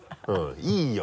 いいよ